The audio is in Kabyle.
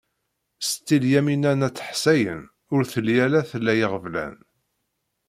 Setti Lyamina n At Ḥsayen ur telli ara tla iɣeblan.